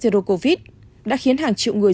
zero covid đã khiến hàng triệu người